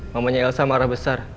mamanya elsa marah besar